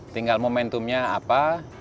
tinggal momentumnya apa